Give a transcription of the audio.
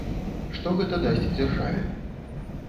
Што гэта дасць дзяржаве?